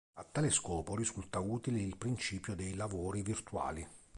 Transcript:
A tale scopo, risulta utile il principio dei lavori virtuali.